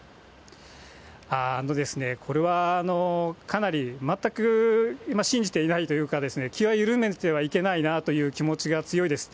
これは、かなり、全く今、信じていないというか、気は緩めてはいけないなという気持ちが強いです。